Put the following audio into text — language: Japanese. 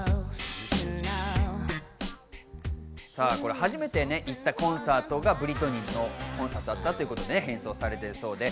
始めて行ったコンサートがブリトニーのコンサートだったということで、変装されたそうです。